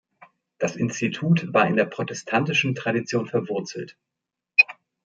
Das Institut war in der protestantischen Tradition verwurzelt.